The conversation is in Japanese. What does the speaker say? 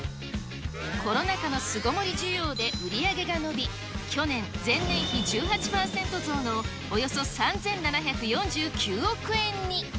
コロナ禍の巣ごもり需要で売り上げが伸び、去年、前年比１８％増のおよそ３７４９億円に。